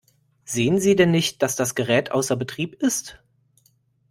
Sehen Sie denn nicht, dass das Gerät außer Betrieb ist?